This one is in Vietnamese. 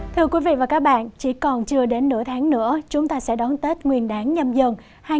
thưa quý vị và các bạn chỉ còn chưa đến nửa tháng nữa chúng ta sẽ đón tết nguyên đáng nhâm dần hai nghìn hai mươi bốn